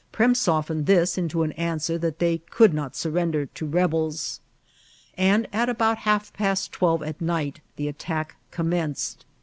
Prem softened this into an answer that they could not surrender to rebels, and at about half past twelve at night the attack com menced.